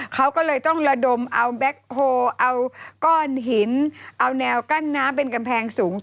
เขาก็เลยต้องระดมเอาแบ็คโฮลเอาก้อนหินเอาแนวกั้นน้ำเป็นกำแพงสูง